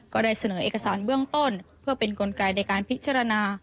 ก็ได้เสนอเอกสารเบื้องต้นเพื่อเป็นกลไกในการพิจารณา